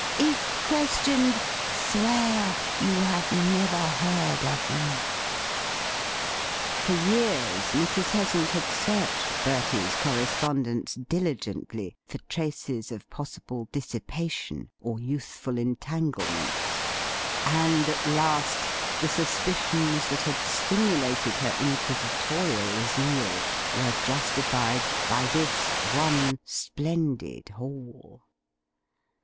If questioned swear you never heard of me." For years Mrs. Heasant had searched Bertie's correspondence diligently for traces of possible dissipation or youthful entanglements, and at last the suspicions that had stimulated her inquisitorial zeal were justified by this one splendid haul.